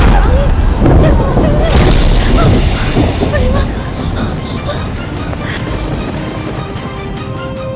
yang apapun sek invites kamu incredible that you've tried